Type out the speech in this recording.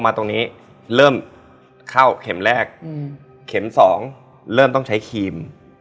มาตรงนี้เริ่มเข้าเข็มแรกเข็มสองเริ่มต้องใช้ครีม